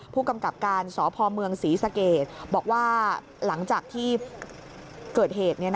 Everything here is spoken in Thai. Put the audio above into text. ผู้กำกับการสพเมืองศรีสะเกดบอกว่าหลังจากที่เกิดเหตุ